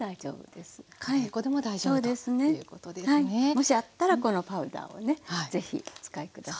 もしあったらこのパウダーをね是非お使い下さい。